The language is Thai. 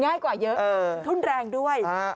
ง่ายกว่าเยอะทุ่นแรงด้วย